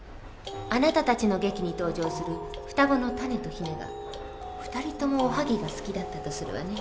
あなたたちの劇に登場する双子のタネとヒネが２人ともおはぎが好きだったとするわね。